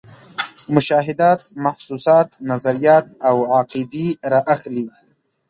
مشاهدات، محسوسات، نظریات او عقیدې را اخلي.